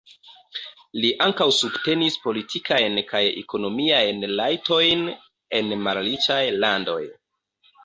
Li ankaŭ subtenis politikajn kaj ekonomiajn rajtojn en malriĉaj landoj.